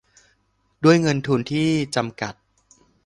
ด้วยเงินทุนที่จำกัด